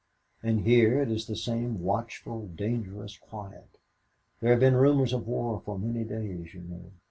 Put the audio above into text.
And here it is the same watchful, dangerous quiet. There have been rumors of war for many days, you know.